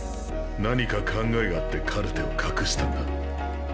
何か考えがあってカルテを隠したんだ。